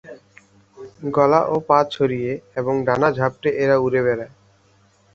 গলা ও পা ছড়িয়ে এবং ডানা ঝাপটে এরা উড়ে বেড়ায়।